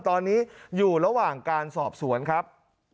ตอนนี้อยู่ระหว่างการสอบสวนครับ